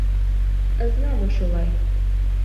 Ызнамо шулай...